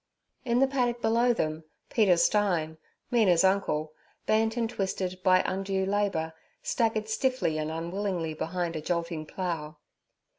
In the paddock below them Peter Stein, Mina's uncle, bent and twisted by undue labour, staggered stiffly and unwillingly behind a jolting plough.